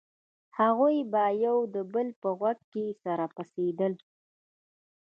هغوى به يو د بل په غوږ کښې سره پسېدل.